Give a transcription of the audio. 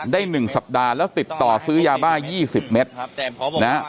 ได้หนึ่งสัปดาห์แล้วติดต่อซื้อยาบ้ายี่สิบเมตรครับนะ